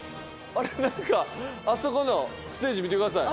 なんかあそこのステージ見てください。